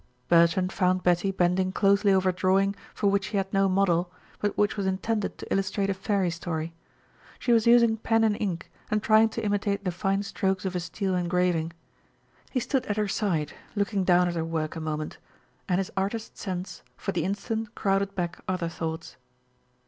Bertrand found Betty bending closely over a drawing for which she had no model, but which was intended to illustrate a fairy story. She was using pen and ink, and trying to imitate the fine strokes of a steel engraving. He stood at her side, looking down at her work a moment, and his artist's sense for the instant crowded back other thoughts.